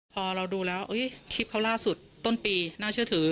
พอเราดูแล้วคลิปเขาล่าสุดต้นปีน่าเชื่อถือ